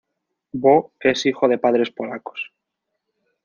Bo es hijo de padres polacos.